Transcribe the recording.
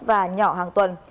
và nhỏ hàng tuần